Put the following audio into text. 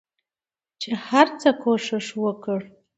چې هرڅه کوښښ وکړ